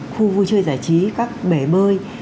khu vui chơi giải trí các bể bơi